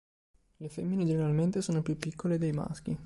Le femmine, generalmente, sono più piccole dei maschi.